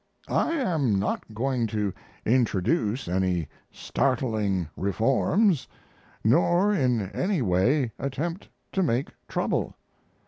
I am not going to introduce any startling reforms, nor in any way attempt to make trouble....